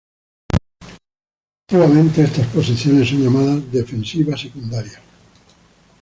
Colectivamente estas posiciones son llamadas "defensiva secundaria".